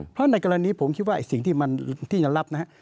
เพราะในกรณีผมคิดว่าสิ่งที่จะรับนะฮะ